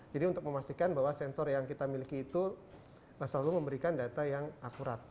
jadi untuk memastikan bahwa sensor yang kita miliki itu selalu memberikan data yang akurat